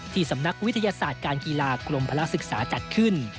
สำนักวิทยาศาสตร์การกีฬากรมพลักษึกษาจัดขึ้น